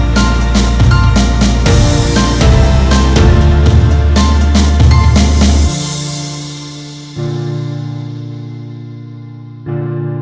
โปรดติดตามตอนต่อไป